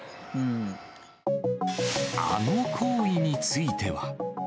あの行為については。